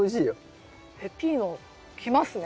ペピーノきますね。